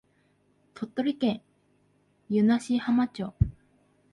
鳥取県湯梨浜町